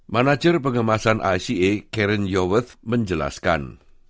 manager pengemasan ica karen yowet menjelaskan